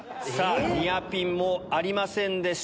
ニアピンもありませんでした。